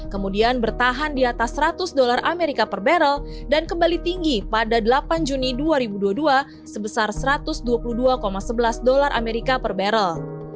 kemudian bertahan di atas usd seratus per barrel dan kembali tinggi pada delapan juni dua ribu dua puluh dua sebesar usd satu ratus dua puluh dua sebelas per barrel